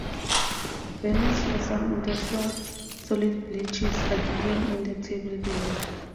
Values for some industrial solid bleaches are given in the table below.